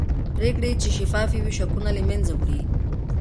پرېکړې چې شفافې وي شکونه له منځه وړي